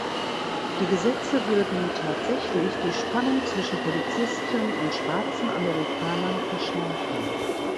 Die Gesetze würden tatsächlich die Spannung zwischen Polizisten und Schwarzen Amerikanern verschärfen.